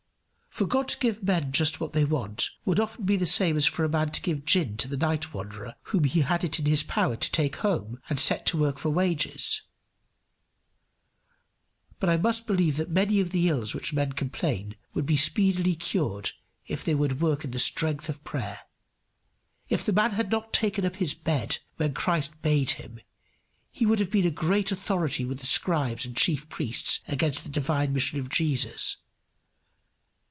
For God to give men just what they want would often be the same as for a man to give gin to the night wanderer whom he had it in his power to take home and set to work for wages. But I must believe that many of the ills of which men complain would be speedily cured if they would work in the strength of prayer. If the man had not taken up his bed when Christ bade him, he would have been a great authority with the scribes and chief priests against the divine mission of Jesus.